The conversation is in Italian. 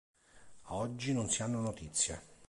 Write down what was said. A oggi non si hanno notizie.